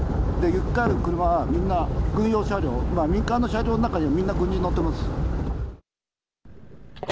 行き交う車はみんな軍用車両、民間の車両の中にみんな、軍人乗ってます。